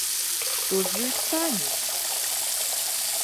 Што з ёй стане?